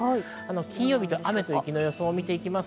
金曜日の雨と雪の予想を見ていきます。